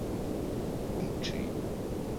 Умычъый!